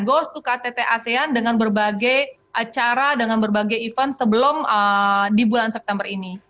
goes to ktt asean dengan berbagai acara dengan berbagai event sebelum di bulan september ini